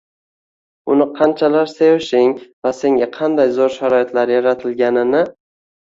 uni qanchalar sevishing va senga qanday zo‘r sharoitlar yaratilganini